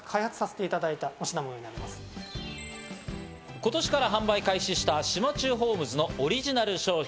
今年から販売開始した島忠ホームズのオリジナル商品。